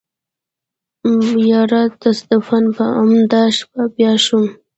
يره تصادفاً په امدا شپه بيا شوم.